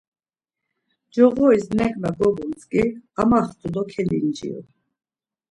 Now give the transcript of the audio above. Coğoris neǩna gobuntzǩi, amaxtu do kelinciru.